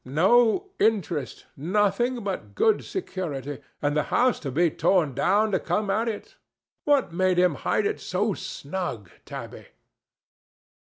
No interest! nothing but good security! and the house to be torn down to come at it! What made him hide it so snug, Tabby?"